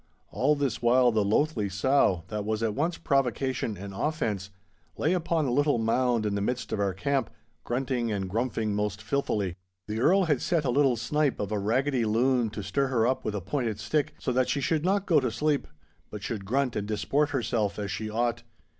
All this while the loathly sow, that was at once provocation and offence, lay upon a little mound in the midst of our camp, grunting and grumphing most filthily. The Earl had set a little snipe of a raggetty loon to stir her up with a pointed stick, so that she should not go to sleep, but should grunt and disport herself as she ought.